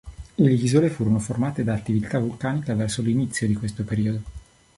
Le isole furono formate da attività vulcanica verso l'inizio di questo periodo.